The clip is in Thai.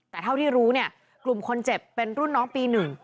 แต่เท่าที่รู้เนี่ยกลุ่มคนเจ็บเป็นรุ่นน้องปี๑